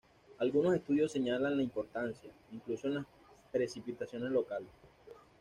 Algunos estudios señalan la importancia, incluso en las precipitaciones locales.